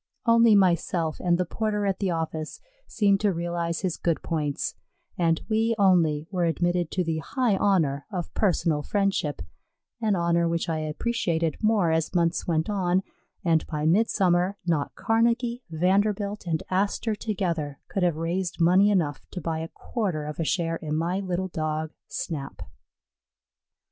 Only myself and the porter at the office seemed to realize his good points, and we only were admitted to the high honor of personal friendship, an honor which I appreciated more as months went on, and by midsummer not Carnegie, Vanderbilt, and Astor together could have raised money enough to buy a quarter of a share in my little Dog Snap.